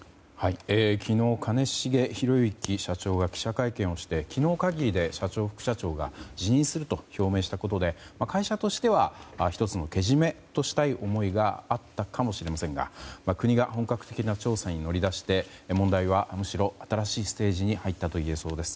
昨日、兼重宏行社長が記者会見をして昨日限りで社長、副社長が辞任すると表明したことで会社としては１つのけじめとしたい思いがあったかもしれませんが国が本格的な調査に乗り出して問題はむしろ新しいステージに入ったといえそうです。